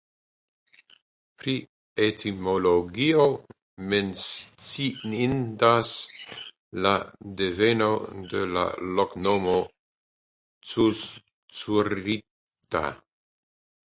Pri etimologio menciindas la deveno de la loknomo "Cuzcurrita".